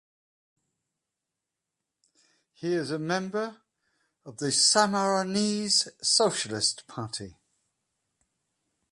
He is a member of the Sammarinese Socialist Party.